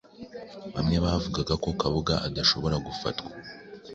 bamwe bavugaga ko Kabuga adashobora gufatwa